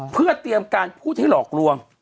เพื่อเตรียมการพูดให้หลอกลวง